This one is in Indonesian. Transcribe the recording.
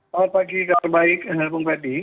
selamat pagi kalau baik halo bung ferdi